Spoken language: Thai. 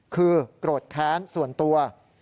คือโกรธแค้นส่วนตัว